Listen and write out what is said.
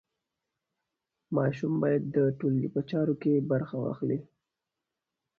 ماشوم باید د ټولګي په چارو کې برخه واخلي.